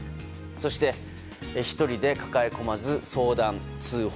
そして、１人で抱え込まず相談・通報。